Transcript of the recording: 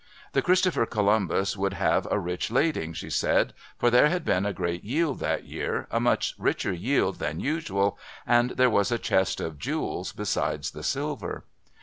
The Christopher Columbus would have a rich lading, she said, for there had been a great yield that year, a much richer yield than usual, and there was a chest of jewels besides the silver.